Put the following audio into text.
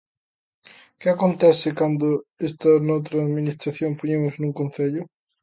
¿Que acontece cando están noutra administración, poñamos nun concello?